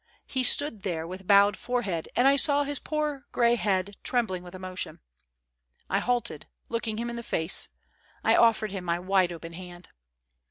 He stood there with bowed forehead, and I saw his poor gray head trembling with emotion. I halted, looking him in the face. I offered him my wide open hand.